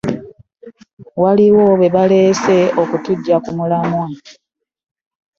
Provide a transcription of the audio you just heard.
Waliwo be baaleese okutuggya ku mulamwa.